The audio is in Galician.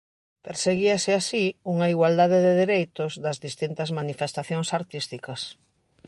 Perseguíase así unha "igualdade de dereitos" das distintas manifestacións artísticas.